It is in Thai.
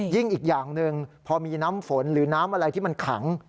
อีกอย่างหนึ่งพอมีน้ำฝนหรือน้ำอะไรที่มันขัง